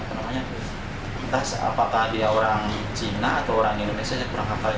entah apakah dia orang cina atau orang indonesia saya kurang akal